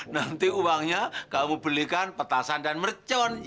nanti uangnya kamu belikan petasan dan mercon